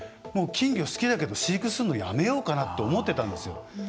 金魚好きだけど飼育するのやめようかなって思ってたんですよ。